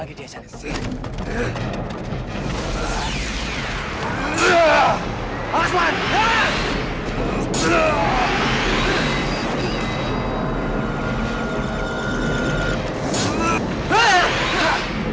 saatnya kita harus ke sana